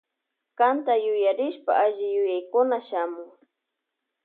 Kanta yuyarishpaka alli yuyaykuna shamun.